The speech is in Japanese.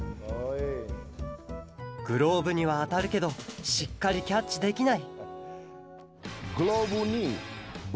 グローブにはあたるけどしっかりキャッチできない